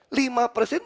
lalu yang bisa dijual